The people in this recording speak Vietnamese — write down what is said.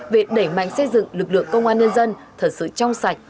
việc đẩy mạnh xây dựng lực lượng công an nhân dân thật sự trong sạch